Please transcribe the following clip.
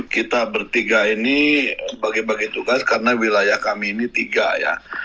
kita bertiga ini bagi bagi tugas karena wilayah kami ini tiga ya